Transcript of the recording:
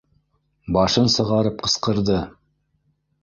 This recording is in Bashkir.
Башын сығарып ҡысҡырҙы: